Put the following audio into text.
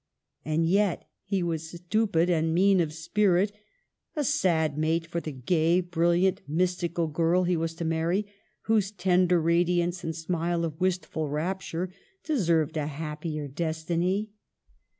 And yet he was stupid and mean of spirit, — a sad mate for the gay, brilliant, mystical girl he was to marry, whose tender radiance and smile of wistful rapture deserved a happier destiny.